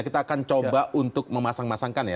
kita akan coba untuk memasang masangkan ya